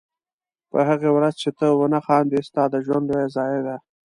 په هغې ورځ چې ته ونه خاندې ستا د ژوند لویه ضایعه ده.